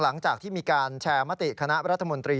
หลังจากที่มีการแชร์มติคณะรัฐมนตรี